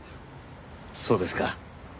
そうですか。